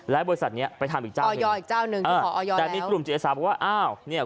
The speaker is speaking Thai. และบริษัทเขามีอีกเจ้าหนึ่ง